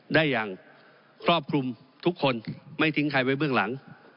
ได้อย่างครอบคลุมทุกคนไม่ทิ้งใครไว้เบื้องหลัง